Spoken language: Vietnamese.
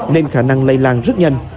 nên khả năng lây lan rất nhanh